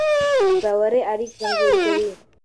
بې باورۍ اړیکې کمزورې کوي.